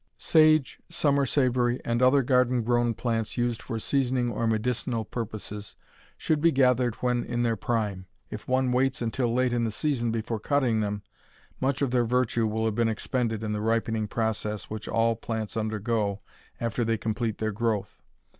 Sage, summer savory, and other garden grown plants used for seasoning or medicinal purposes should be gathered when in their prime. If one waits until late in the season before cutting them, much of their virtue will have been expended in the ripening process which all plants undergo after they complete their growth.